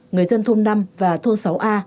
người dân thôn năm và thôn sáu a